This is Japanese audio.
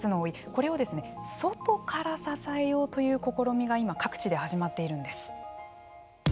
これを外から支えようという試みが今、各地で始まっているんです。